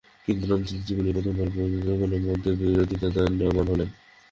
কিন্তু রামচন্দ্র জীবনে এই প্রথমবার প্রজাগণের মতের বিরুদ্ধে দণ্ডায়মান হইলেন।